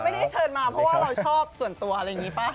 ไม่ได้เชิญมาเพราะว่าเราชอบส่วนตัวอะไรอย่างนี้ป่ะ